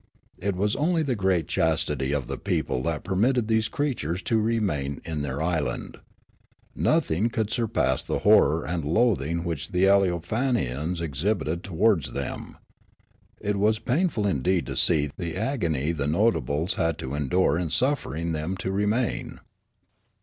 It was only the great chastity of the people that permitted these creatures to remain in their island. Nothing could surpass the horror and loathing which the Aleofanians exhibited towards them. It was painful indeed to see the agony the notables had to endure in suffering them to remain.